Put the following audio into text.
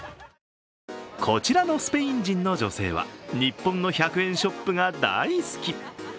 こちらのスペイン人の女性は日本の１００円ショップが大好き。